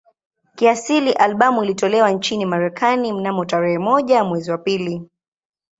Kiasili albamu ilitolewa nchini Marekani mnamo tarehe moja mwezi wa pili